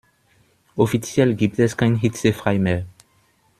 Offiziell gibt es kein hitzefrei mehr.